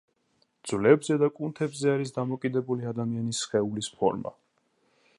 ძვლებზე და კუნთებზე არის დამოკიდებული ადამიანის სხეულის ფორმა.